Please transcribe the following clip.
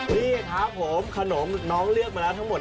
นี่ครับผมขนมน้องเลือกมาแล้วทั้งหมด